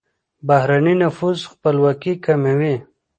بهرنی نفوذ خپلواکي کموي.